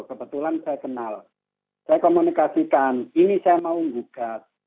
kebetulan saya kenal saya komunikasikan ini saya mau menggugat